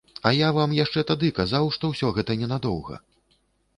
А я вам яшчэ тады казаў, што ўсё гэта ненадоўга!